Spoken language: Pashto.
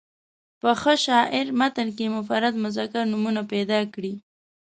په ښه شاعر متن کې مفرد مذکر نومونه پیدا کړي.